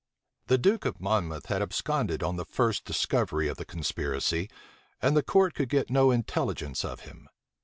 The duke of Monmouth had absconded on the first discovery of the conspiracy; and the court could get no intelligence of him.